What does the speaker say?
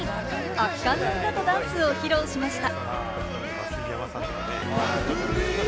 圧巻の歌とダンスを披露しました。